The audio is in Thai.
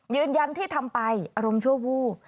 ยืนยันที่ทำไปอารมณ์ชั่ววูบ